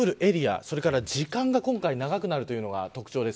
それから時間が今回長くなるのが特徴です。